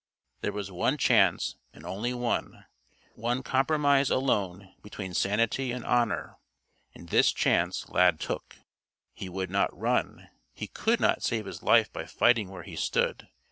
There was one chance and only one one compromise alone between sanity and honor. And this chance Lad took. He would not run. He could not save his life by fighting where he stood.